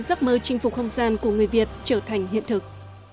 giấc mơ chinh phục không gian của người việt trở thành hiện thực